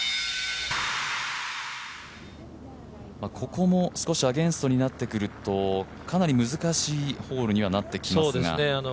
ここも少しアゲンストになってくるとかなり難しいホールにはなってきますが。